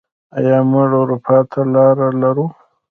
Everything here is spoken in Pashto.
آیا موږ اروپا ته لاره لرو؟